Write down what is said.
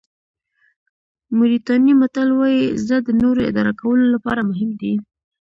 موریتاني متل وایي زړه د نورو اداره کولو لپاره مهم دی.